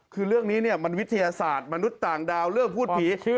คือเรื่องนี้เนี่ยมันวิทยาศาสตร์มนุษย์ต่างดาวเรื่องพูดผี